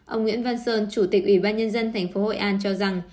ông nguyễn văn sơn chủ tịch ủy ban nhân dân tp hội an cho rằng